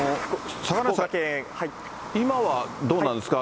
坂梨さん、今はどうなんですか？